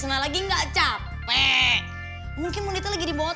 neng deh pengen menghindar dari si kemo